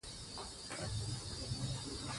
افغانستان په لعل غني دی.